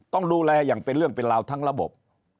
ต้องดูแลอย่างเป็นเรื่องเป็นราวทั้งระบบ